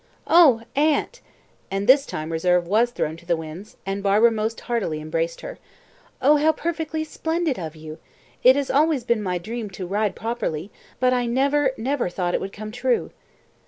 "Oh, aunt!" and this time reserve was thrown to the winds, and Barbara most heartily embraced her. "Oh, how perfectly splendid of you! It has always been my dream to ride properly, but I never, never thought it would come true."